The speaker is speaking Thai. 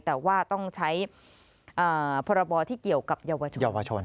แต่ว่าต้องใช้พรบที่เกี่ยวกับเยาวชนเยาวชน